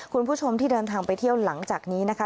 คุณผู้ชมที่เดินทางไปเที่ยวหลังจากนี้นะคะ